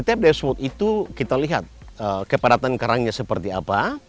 jadi gini setiap dive spot itu kita lihat kepadatan karangnya seperti apa